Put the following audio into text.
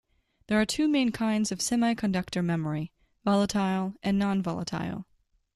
There are two main kinds of semiconductor memory, volatile and non-volatile.